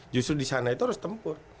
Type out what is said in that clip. justru disana itu harus tempur